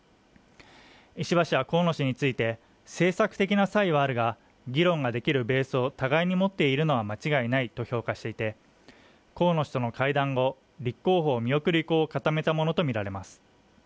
石破氏は河野氏について政策的な差異はあるが議論ができるベースを互いに持っているのは間違いないと評価していて河野氏との会談後、立候補を見送る意向を固めたものと見られます